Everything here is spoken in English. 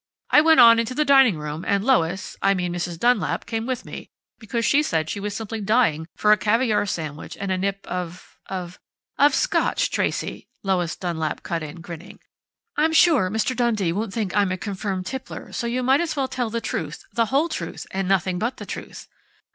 I went on into the dining room, and Lois I mean, Mrs. Dunlap came with me, because she said she was simply dying for a caviar sandwich and a nip of of " "Of Scotch, Tracey," Lois Dunlap cut in, grinning. "I'm sure Mr. Dundee won't think I'm a confirmed tippler, so you might as well tell the truth, the whole truth, and nothing but the truth....